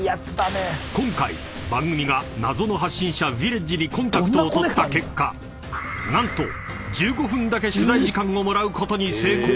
［今回番組が謎の発信者ヴィレッジにコンタクトを取った結果何と１５分だけ取材時間をもらうことに成功］